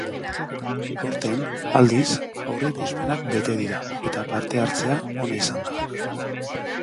Aurten, aldiz, aurreikuspenak bete dira eta parte-hartzea ona izan da.